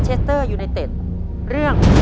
สวัสดีครับ